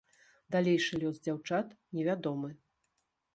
Далейшы лёс дзяўчат невядомы.